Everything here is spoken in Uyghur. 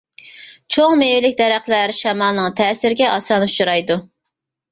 چوڭ مېۋىلىك دەرەخلەر شامالنىڭ تەسىرىگە ئاسان ئۇچرايدۇ.